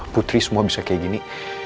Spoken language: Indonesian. putri semua bisa kayak gini